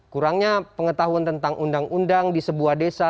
kurangnya pengetahuan tentang undang undang di sebuah desa